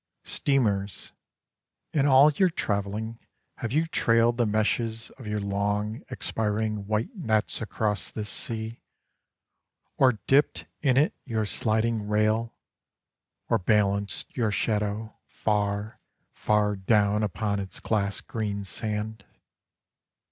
II. Steamers, in all your travelling have you trailed the meshes of your long expiring white nets across this sea, or dipped in it your sliding rail, or balanced your shadow far far down upon its glass green sand